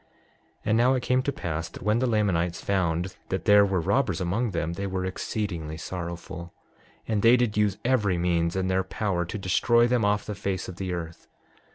6:20 And now it came to pass that when the Lamanites found that there were robbers among them they were exceedingly sorrowful; and they did use every means in their power to destroy them off the face of the earth.